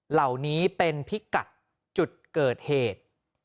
เหล่านี้เป็นพิกัดจุดเกิดเหตุ